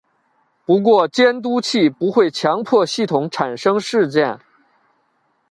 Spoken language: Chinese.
不过监督器不会强迫系统产生事件。